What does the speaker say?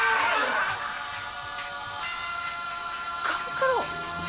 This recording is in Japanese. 勘九郎。